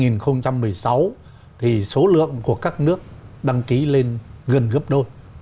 năm hai nghìn một mươi sáu thì số lượng của các nước đăng ký lên gần gấp đôi